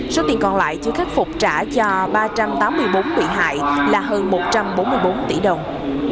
số tiền còn lại chưa khắc phục trả cho ba trăm tám mươi bốn bị hại là hơn một trăm bốn mươi bốn tỷ đồng